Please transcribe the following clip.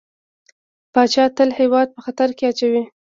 پاچا تل هيواد په خطر کې اچوي .